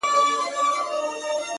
o شاعره خداى دي زما ملگرى كه ـ